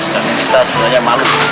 kita sebenarnya malu